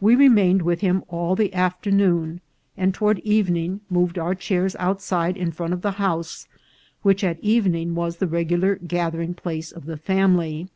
We remained with him all the afternoon, and toward evening moved our chairs outside in front of the house, which at evening was the regular gathering place of the family.